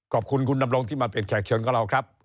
ขอบคุณคุณดำรงที่มาเป็นแขกเชิญกับเราครับ